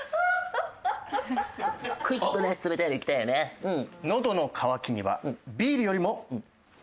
クイッとね冷たいのいきたいよねうん。